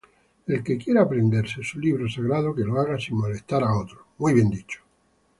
el que quiera aprenderse su libro sagrado, que lo haga sin molestar a otros